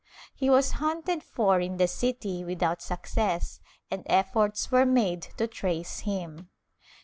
He was hunted for in the city without success and efforts were made to trace him.